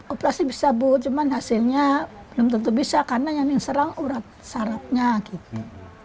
operasi bisa bu cuman hasilnya belum tentu bisa karena yang serang urap syarafnya gitu